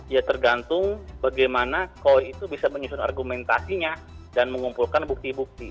ya tergantung bagaimana koi itu bisa menyusun argumentasinya dan mengumpulkan bukti bukti